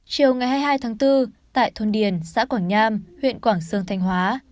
chiều ngày hai mươi hai tháng bốn tại thôn điền xã quảng nham huyện quảng sương thanh hóa